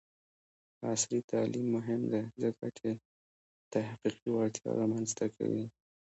عصري تعلیم مهم دی ځکه چې تحقیقي وړتیا رامنځته کوي.